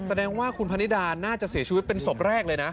แสดงว่าคุณพนิดาน่าจะเสียชีวิตเป็นศพแรกเลยนะ